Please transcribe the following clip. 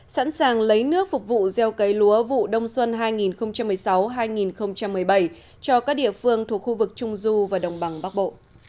sẵn sàng lấy nước phục vụ gieo cấy lúa vụ đông xuân hai nghìn một mươi sáu hai nghìn một mươi bảy cho các địa phương thuộc khu vực trung du và đồng bằng bắc bộ